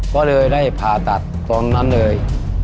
ก็เลยได้ผ่าตัดตอนนั้นเลย